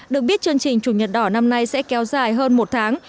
được biết chương trình chủ nhật đỏ năm nay sẽ kéo dài hơn một tháng